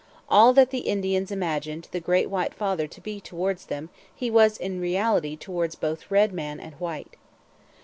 All that the Indians imagined the Great White Father to be towards themselves he was in reality towards both red man and white.